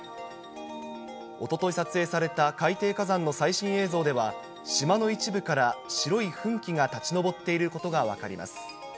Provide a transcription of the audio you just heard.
おととい撮影された海底火山の最新映像では、島の一部から白い噴気が立ち上っていることが分かります。